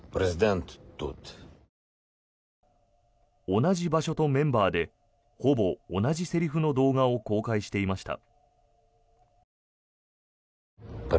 同じ場所とメンバーでほぼ同じセリフの動画を公開していました。